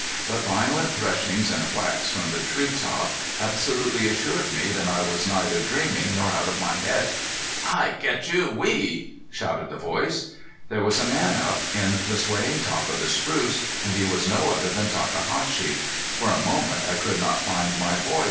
But violent threshings and whacks from the tree top absolutely assured me that I was neither dreaming nor out of my head. "I get you whee!" shouted the voice. There was a man up in the swaying top of that spruce and he was no other than Takahashi. For a moment I could not find my voice.